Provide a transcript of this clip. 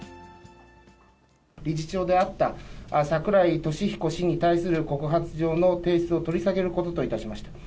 理事長であった櫻井利彦氏に対する告発状の提出を取り下げる